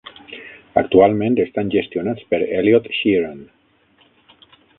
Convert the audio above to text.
Actualment estan gestionats per Elliott Sheeran.